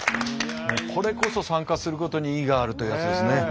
これこそ参加することに意義があるというやつですね。